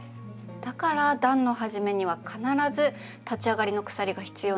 だから段の始めには必ず立ち上がりの鎖が必要なんですね。